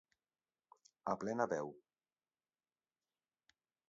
A plena veu.